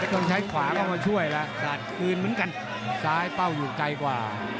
ต้องใช้ขวาเข้ามาช่วยแล้วสาดคืนเหมือนกันซ้ายเป้าอยู่ไกลกว่า